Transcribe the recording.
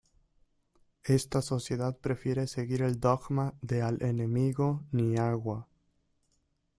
esta sociedad prefiere seguir el dogma de al enemigo ni agua